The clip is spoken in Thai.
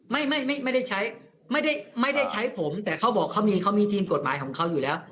ไม่ไม่ไม่ได้ใช้ไม่ได้ไม่ได้ใช้ผมแต่เขาบอกเขามีเขามีทีมกฎหมายของเขาอยู่แล้ว